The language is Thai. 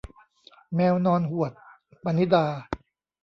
แมวนอนหวด - ปณิดา